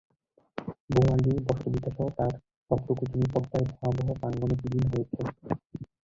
বহু আগেই বসতভিটাসহ তাঁর সবটুকু জমি পদ্মায় ভয়াবহ ভাঙনে বিলীন হয়েছে।